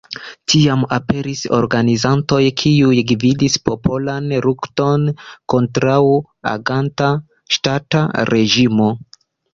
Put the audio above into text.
Tiam aperis organizantoj kiuj gvidis popolan lukton kontraŭ aganta ŝtata reĝimo.